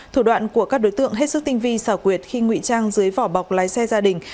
thủ đoạn của các đối tượng hết sức tinh vi xảo quyệt khi ngụy trang dưới vỏ bọc lái xe gia đình